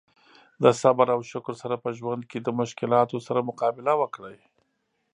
د صبر او شکر سره په ژوند کې د مشکلاتو سره مقابله وکړي.